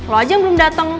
lo aja yang belum datang